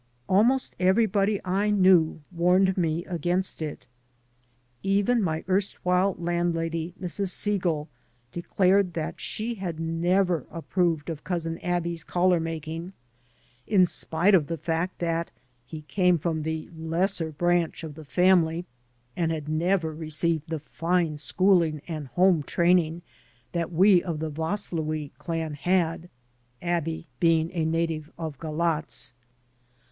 Almost everybody I knew warned me against it. Even my erstwhile landlady, Mrs. Segal, declared that she had never approved of Cousin Aby's collar making, in spite of the fact that he came from the lesser branch of the family and had never received the fine schooling and home training that we of the Vaslui clan had (Aby be ing a native of Galatz).